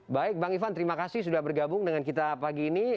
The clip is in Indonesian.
baik bang ivan terima kasih sudah bergabung dengan kita pagi ini